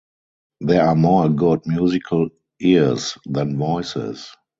There are more good musical ears than voices.